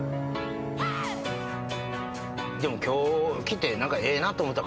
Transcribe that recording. でも今日来てなんかええなと思った。